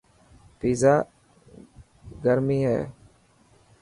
پيزا گرمي هي.